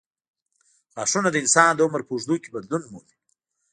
غاښونه د انسان د عمر په اوږدو کې بدلون مومي.